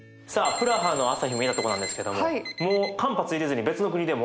プラハの朝日見たとこなんですけどももう間髪入れずに別の国でも上がるみたいですよ。